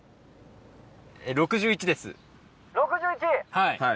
はい。